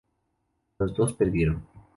Los dos perdieron.